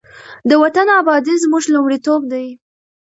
د وطن ابادي زموږ لومړیتوب دی.